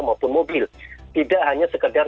maupun mobil tidak hanya sekedar